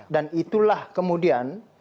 dan itulah kemudian